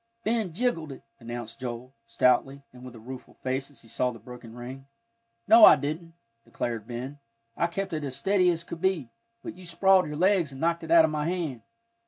"Ben jiggled it," announced Joel, stoutly, and with a rueful face as he saw the broken ring. "No, I didn't," declared Ben; "I kept it as steady as could be. But you sprawled your legs and knocked it out of my hand.